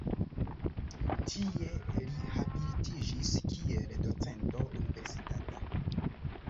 Tie li habilitiĝis kiel docento universitata.